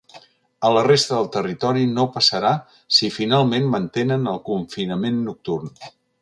A la resta del territori no passarà si finalment mantenen el confinament nocturn.